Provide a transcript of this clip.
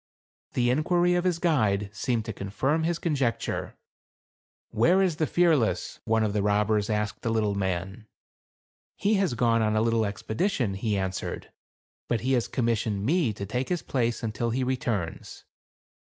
The inquiry of his guide seemed to confirm his conjecture. " Where is the Fearless ?" one of the robbers asked the little man. " He has gone on a little expedition," he answered, "but he has commis sioned me to take his place until he returns."